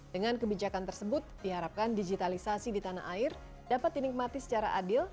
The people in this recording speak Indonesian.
dengan kebijakan tersebut diharapkan digitalisasi di tanah air dapat dinikmati secara adil